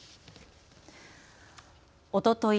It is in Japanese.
おととい